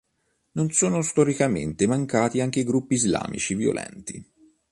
Non sono storicamente mancati anche gruppi islamici violenti.